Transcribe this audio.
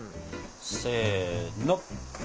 せの！